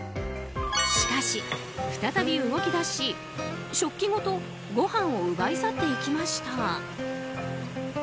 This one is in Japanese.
しかし再び動き出し食器ごとごはんを奪い去っていきました。